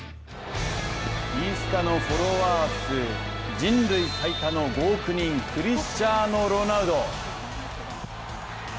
インスタのフォロワー数、人類最多の５億人クリスチアーノ・ロナウド。